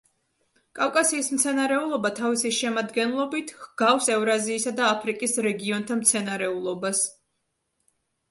კავკასიის მცენარეულობა თავისი შემადგენლობით ჰგავს ევრაზიისა და აფრიკის რეგიონთა მცენარეულობას.